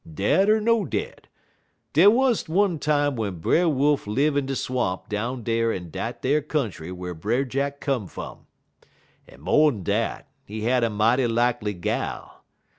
Dead er no dead, dey wuz one time w'en Brer Wolf live in de swamp down dar in dat ar country whar Brer Jack come fum, en, mo'n dat, he had a mighty likely gal.